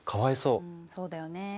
うんそうだよね。